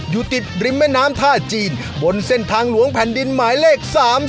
อยู่ติดริมแม่น้ำท่าจีนบนเส้นทางหลวงแผ่นดินหมายเลข๓๒